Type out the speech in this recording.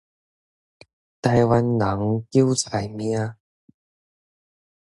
台灣人韭菜命